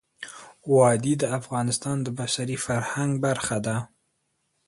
وادي د افغانستان د بشري فرهنګ برخه ده.